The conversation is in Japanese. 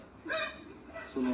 その。